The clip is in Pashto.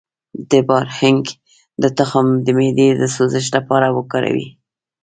د بارهنګ تخم د معدې د سوزش لپاره وکاروئ